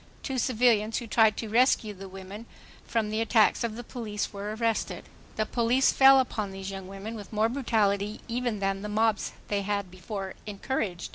Two civilians who tried to rescue the women from the attacks of the police were arrested. The police fell upon these young women with more brutality even than the mobs they had before encouraged.